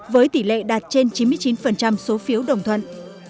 với tỷ lệ đạt trên chín mươi chín số phiếu đồng thuận